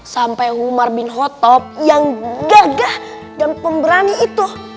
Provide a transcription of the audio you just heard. sampai umar bin khotob yang gagah dan pemberani itu